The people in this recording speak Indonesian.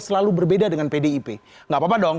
selalu berbeda dengan pdip nggak apa apa dong